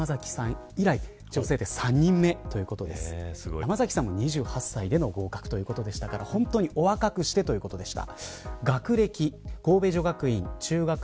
山崎さんも２８歳の合格ということでしたから本当にお若くしてということでした。